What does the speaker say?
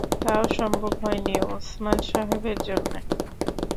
তাও সম্ভব হয় নি ওসমান সাহেবের জন্যে।